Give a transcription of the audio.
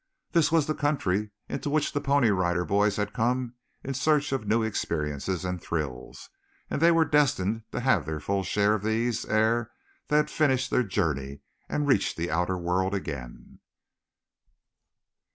This was the country into which the Pony Rider Boys had come in search of new experiences and thrills, and they were destined to have their full share of these ere they had finished their journey and reached the outer world again.